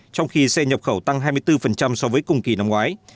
trong khi xe nhập khẩu tăng hai mươi bốn so với cùng kỳ năm ngoái